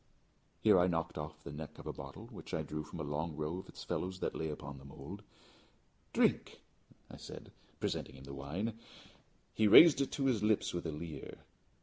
Here I knocked off the neck of a bottle which I drew from a long row of its fellows that lay upon the mould. "Drink," I said, presenting him the wine. He raised it to his lips with a leer.